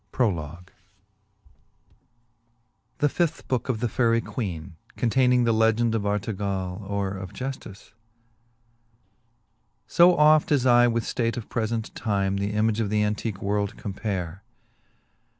CO The fifth Booke of the Faerie Queene. Contayningy The Legende of Artegall Or of Jujike. I. O oft as I with ftate of prefent time The image of the antique world compare.